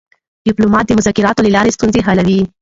ډيپلومات د مذاکراتو له لارې ستونزې حلوي.